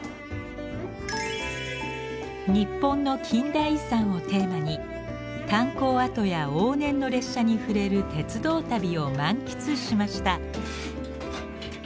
日本の近代遺産をテーマに炭鉱跡や往年の列車に触れる鉄道旅を満喫しました。